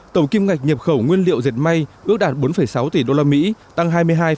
tổng kiếm ngành nhập khẩu nguyên liệu dệt may ước đạt bốn sáu tỷ usd tăng hai mươi hai tám mươi hai